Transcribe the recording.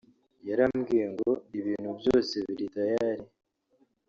Yarambwiye ngo ibintu byose biri tayari